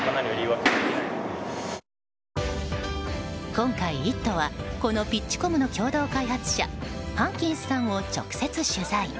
今回「イット！」はこのピッチコムの共同開発者ハンキンスさんを直接取材。